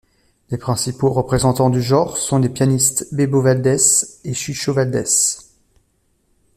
Les principaux représentants du genre sont les pianistes Bebo Valdés et Chucho Valdés.